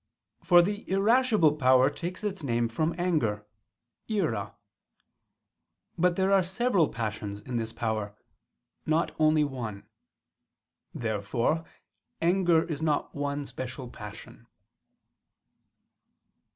For the irascible power takes its name from anger (ira). But there are several passions in this power, not only one. Therefore anger is not one special passion.